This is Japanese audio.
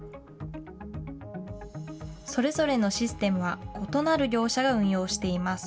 それぞれのシステムは、異なる業者が運用しています。